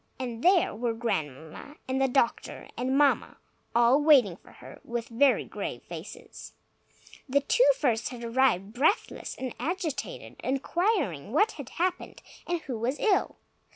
And there were Grandmamma and the doctor and Mamma, all waiting for her, with very grave faces. The two first had arrived, breathless and agitated, inquiring what had happened, and who was ill.